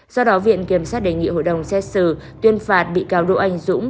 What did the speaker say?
do đó viện kiểm sát đề nghị hội đồng xét xử tuyên phạt bị cáo đỗ anh dũng